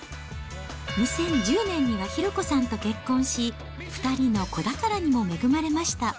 ２０１０年には寛子さんと結婚し、２人の子宝にも恵まれました。